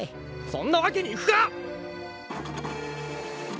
そんなわけにいくか！